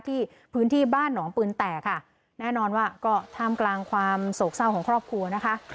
ที่พื้นที่บ้านหนองปืนแตกค่ะแน่นอนว่าก็ท่ามกลางความโศกเศร้าของครอบครัวนะคะ